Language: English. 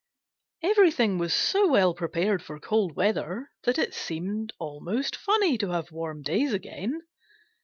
Everything was so well prepared for cold weather that it seemed almost funny to have warm days again.